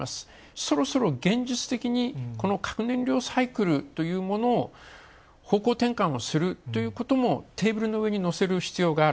そろそろ現実的にこの核燃料サイクルというのものを方向転換をするということもテーブルの上に乗せる必要がある。